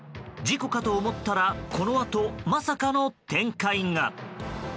事故かと思ったらこのあと、まさかの展開が。